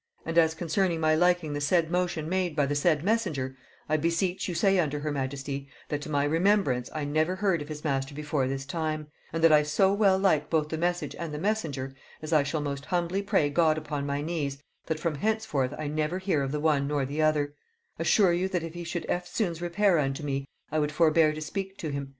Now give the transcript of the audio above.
And as concerning my liking the said motion made by the said messenger, I beseech you say unto her majesty, that to my remembrance I never heard of his master before this time; and that I so well like both the message and the messenger, as I shall most humbly pray God upon my knees, that from henceforth I never hear of the one nor the other: assure you that if he should eftsoons repair unto me, I would forbear to speak to him.